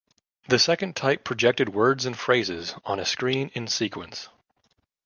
The second type projected words and phrases on a screen in sequence.